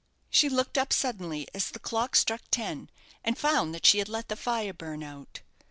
She looked up suddenly as the clock struck ten, and found that she had let the fire burn out.